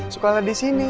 suka lah di sini